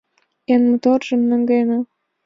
Эн моторжым наҥгаена.